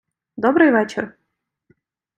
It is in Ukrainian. Добрий вечір!